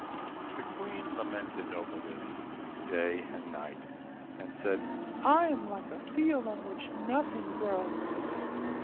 The Queen lamented over this day and night, and said, "I am like a field on which nothing grows."